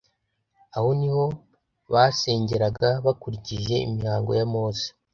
Aho niho basengeraga bakurikije imihango ya Mose,